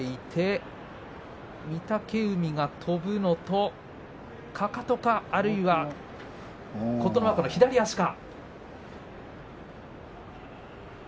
そして御嶽海、跳ぶのとかかとか、あるいは琴ノ若の左足か。